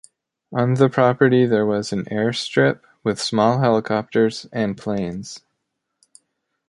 On the property there was an airstrip with small helicopters and planes.